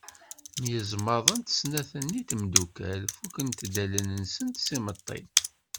Myeẓmaḍent snat-nni n temdukal fukkent-d allen-nsent s yimeṭṭi.